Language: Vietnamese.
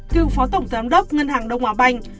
cựu phó tổng giám đốc ngân hàng đông á banh